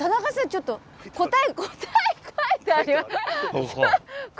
ちょっと何て書いてあります？